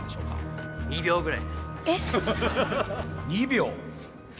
２秒。